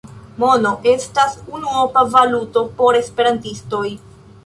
Mono estas unuopa valuto por esperantistoj.